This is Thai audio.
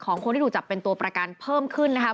คนที่ถูกจับเป็นตัวประกันเพิ่มขึ้นนะคะ